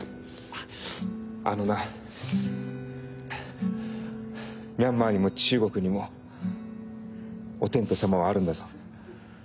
あのなミャンマーにも中国にもお天道様はあるんだぞ。